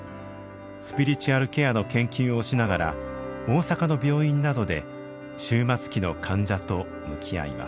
スピリチュアルケアの研究をしながら大阪の病院などで終末期の患者と向き合います。